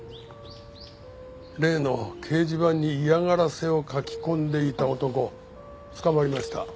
例の掲示板に嫌がらせを書き込んでいた男捕まりました。